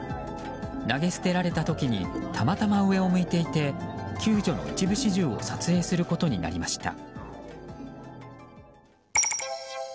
投げ捨てられた時にたまたま上を向いていて救助の一部始終を撮影することになりました。